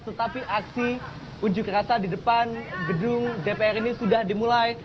tetapi aksi unjuk rasa di depan gedung dpr ini sudah dimulai